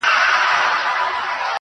o تـلاوت دي د ښايستو شعرو كومه.